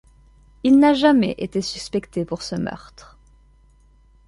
Il n'a jamais été suspecté pour ce meurtre.